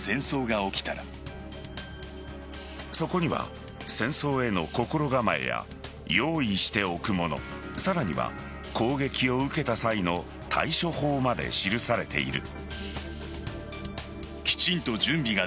そこには戦争への心構えや用意しておくものさらには攻撃を受けた際の対処法まで記されている。